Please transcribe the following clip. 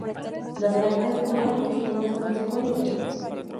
Las actas tuvieron distintas consecuencias.